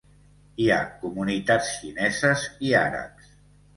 Hi ha comunitats xineses i àrabs.